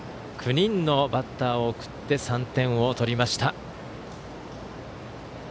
９人のバッターを送って３点を取りました。